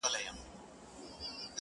ما ته خدای وو دا وړیا نغمت راکړی-